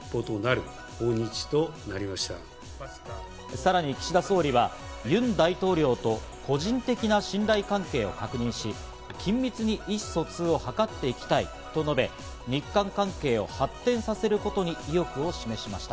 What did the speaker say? さらに岸田総理はユン大統領と個人的な信頼関係を確認し、緊密に意思疎通を図っていきたいと述べ、日韓関係を発展させることに意欲を示しました。